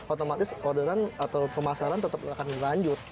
otomatis orderan atau pemasaran tetap akan berlanjut